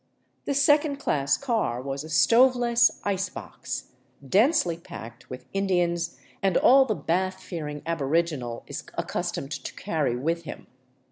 The second class car was a stove Jess ice box, densely packed with Indians and all the bath fearing ab original is accustomed to carry with him.